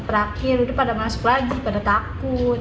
lalu pada masuk lagi pada takut